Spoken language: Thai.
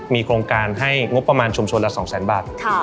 มีโครงการให้งบประมาณชุมชนละ๒๐๐๐บาท